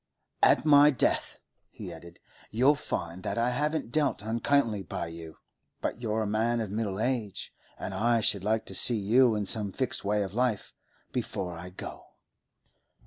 'At my death,' he added, 'you'll find that I haven't dealt unkindly by you. But you're a man of middle age, and I should like to see you in some fixed way of life before I go.